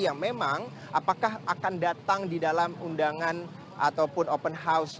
yang memang apakah akan datang di dalam undangan ataupun open house